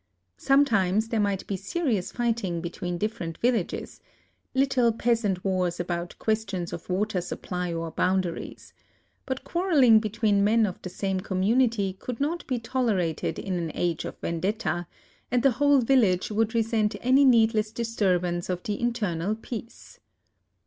Sometimes there might be serious fight ing between different villages, — little peasant wars about questions of water supply or boundaries; but quarreling between men of the same community could not be tolerated in an age of vendetta, and the whole village would resent any needless disturbance of the internal peace.